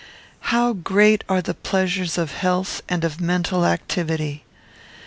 How great are the pleasures of health and of mental activity!